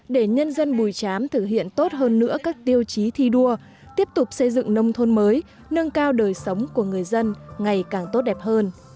để nhân dân bùi chám thực hiện tốt hơn nữa các tiêu chí thi đua tiếp tục xây dựng nông thôn mới nâng cao đời sống của người dân ngày càng tốt đẹp hơn